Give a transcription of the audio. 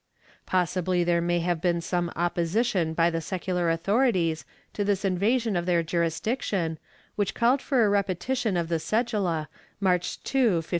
Possibly there may have been some opposition by the secular authorities to this invasion of their jurisdiction, which called for a repetition of the cedula, March 2, 1543.